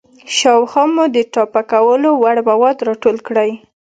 شاوخوا مو د ټاپه کولو وړ مواد راټول کړئ.